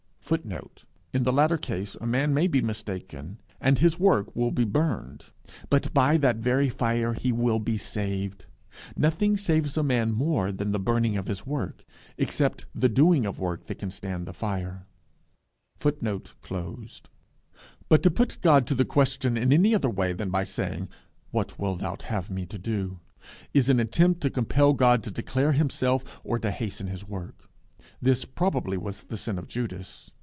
[Footnote: In the latter case a man may be mistaken, and his work will be burned, but by that very fire he will be saved. Nothing saves a man more than the burning of his work, except the doing of work that can stand the fire.] But to put God to the question in any other way than by saying, What wilt thou have me to do? is an attempt to compel God to declare himself, or to hasten his work. This probably was the sin of Judas.